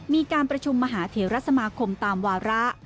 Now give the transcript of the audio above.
มีการประชุมมหาเถระสมาคมตามวาระ